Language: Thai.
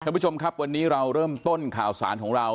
คุณผู้ชมครับวันนี้เราเริ่มต้นข่าวสารของเรา